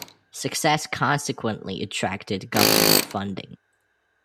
Success consequently attracted government funding.